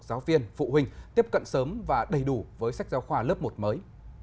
giáo viên phụ huynh tiếp cận sớm và đầy đủ với sách giáo khoa lớp một mới